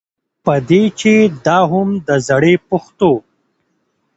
په دې چې دا هم د زړې پښتو